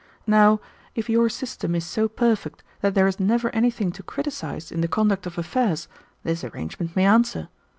Now, if your system is so perfect that there is never anything to criticize in the conduct of affairs, this arrangement may answer.